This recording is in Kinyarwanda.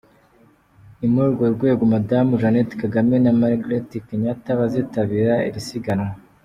Ni muri urwo rwego Madamu Jeannette Kagame na Margaret Kenyatta bazitabira iri siganwa.